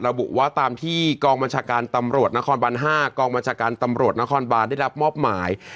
ระบุว่าตามที่กองบัญชาการตำรวจนครบัน๕กองบัญชาการตำรวจนครบานได้รับมอบหมาย